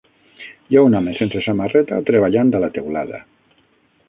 Hi ha un home sense samarreta treballant a la teulada.